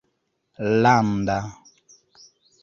landa